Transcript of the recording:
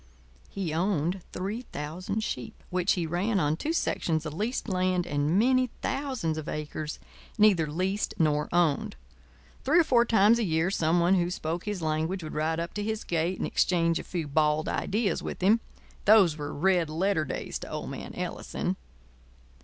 He owned 3,000 sheep, which he ran on two sections of leased land and many thousands of acres neither leased nor owned. Three or four times a year some one who spoke his language would ride up to his gate and exchange a few bald ideas with him. Those were red letter days to old man Ellison.